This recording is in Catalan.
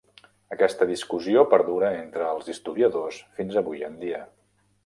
Aquesta discussió perdura entre els historiadors fins avui en dia.